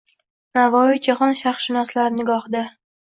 Navoiy jahon sharqshunoslari nigohida